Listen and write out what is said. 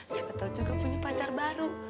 siapa tau juga punya pacar baru